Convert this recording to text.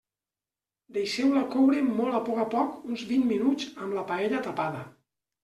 Deixeu-la coure molt a poc a poc uns vint minuts amb la paella tapada.